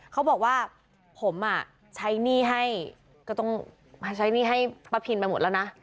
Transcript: เขาบอกว่าผมอ่ะใช้หนี้ให้ก็ต้องใช้หนี้ให้ป้าพินไปหมดแล้วนะ